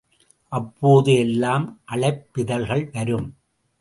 அப்போது எல்லாம் அழைப்பிதழ்கள் வரும்.